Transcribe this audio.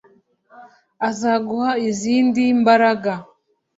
azaguha izindi mbaraga